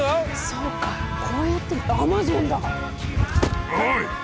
そうかこうやってアマゾンだ！